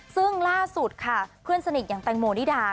ซึ่งล่าสุดค่ะเพื่อนสนิทอย่างแตงโมนิดา